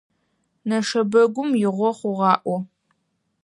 Нэшэбэгум игъо хъугъаӀо.